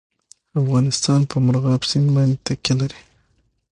افغانستان په مورغاب سیند باندې تکیه لري.